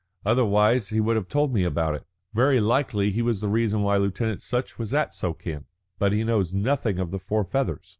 Otherwise he would have told me about it. Very likely he was the reason why Lieutenant Sutch was at Suakin, but he knows nothing of the four feathers.